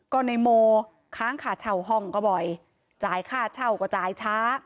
ก็ในโมค้างค่าเช่าห้องก็บ่อยจ่ายค่าเช่าก็จ่ายช้า